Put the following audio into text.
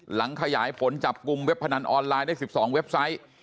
หลังขยายผลจับกุมเว็บพนันออนไลน์ได้สิบสองเว็บไซต์